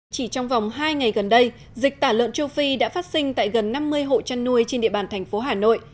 chỉ trong vòng hai ngày gần đây dịch tả lợn châu phi đã phát sinh tại gần năm mươi hộ chăn nuôi trên địa bàn thành phố hà nội